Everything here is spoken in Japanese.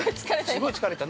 ◆すごい疲れた。